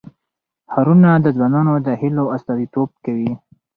ښارونه د ځوانانو د هیلو استازیتوب کوي.